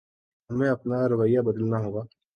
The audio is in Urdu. ہمیں اپنا رویہ بدلنا ہوگا۔